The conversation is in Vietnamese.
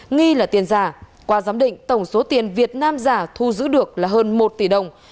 nghi là tiền giả qua giám định tổng số tiền việt nam giả thu giữ được là hơn một tỷ đồng